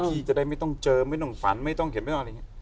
ที่จะได้ไม่ต้องเจอไม่ต้องฝันไม่ต้องเห็นไม่ต้องอะไรอย่างนี้